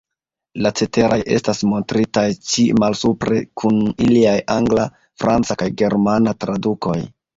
La ceteraj estas montritaj ĉi malsupre, kun iliaj Angla, Franca kaj Germana tradukoj.